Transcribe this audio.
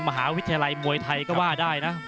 มหาวิทยาลัยมวยไทยก็ว่าได้นะ